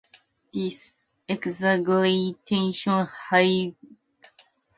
This exaggeration highlights the overwhelming guilt and remorse that Macbeth feels for his actions.